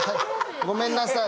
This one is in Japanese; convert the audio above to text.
ごめんなさい。